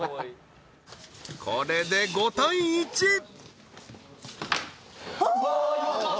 これで５対１ああー！